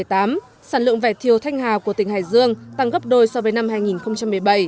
trong năm hai nghìn một mươi tám sản lượng vải thiếu thanh hà của tỉnh hải dương tăng gấp đôi so với năm hai nghìn một mươi bảy